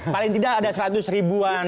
paling tidak ada seratus ribuan